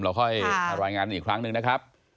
เราค่อยมารายงานอีกครั้งหนึ่งนะครับ